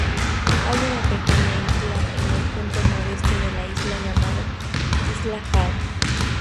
Hay una pequeña isla en el punto noroeste de la isla llamada isla Hall.